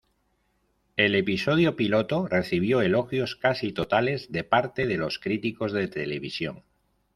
El episodio piloto recibió elogios casi totales de parte de los críticos de televisión.